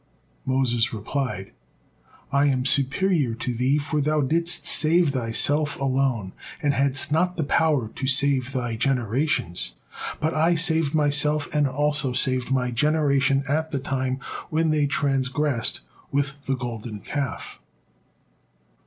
Moses replied: "I am superior to thee, for thou didst save thyself alone, and hadst not the power to save thy generations, but I saved myself and also saved my generation at the time when they transgressed with the Golden Calf."